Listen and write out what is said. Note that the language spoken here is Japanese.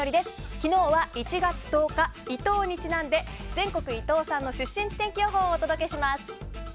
昨日は１月１０日イトーにちなんで全国イトーさんの出身地天気予報をお届けします。